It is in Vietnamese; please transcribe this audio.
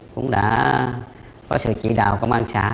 cũng đã có sự chỉ đạo công an xã